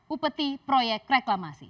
upeti proyek reklamasi